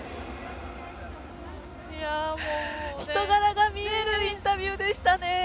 人柄が見えるインタビューでしたね。